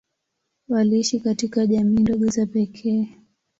Waliishi katika jamii ndogo za pekee.